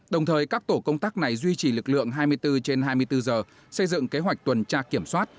đồng thời các tổ công tác này duy trì lực lượng hai mươi bốn trên hai mươi bốn giờ xây dựng kế hoạch tuần tra kiểm soát